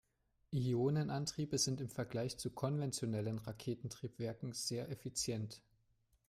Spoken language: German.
Ionenantriebe sind im Vergleich zu konventionellen Raketentriebwerken sehr effizient.